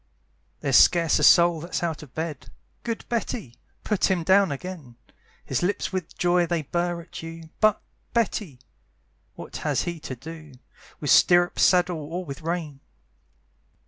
There's scarce a soul that's out of bed; Good Betty! put him down again; His lips with joy they burr at you, But, Betty! what has he to do With stirrup, saddle, or with rein?